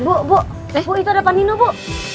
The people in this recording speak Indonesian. bu bu bu itu ada pandino bu